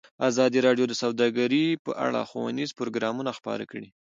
ازادي راډیو د سوداګري په اړه ښوونیز پروګرامونه خپاره کړي.